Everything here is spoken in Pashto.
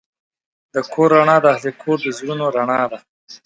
د کور رڼا د اهلِ کور د زړونو رڼا ده.